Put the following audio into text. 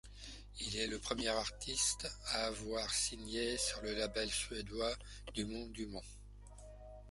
Il est le premier artiste à avoir signé sur le label suédois Dumont Dumont.